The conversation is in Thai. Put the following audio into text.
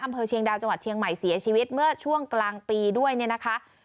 อำเภอเชียงดาวจังหวัดเชียงใหม่เสียชีวิตเมื่อช่วงกลางปีด้วยเนี่ยนะคะ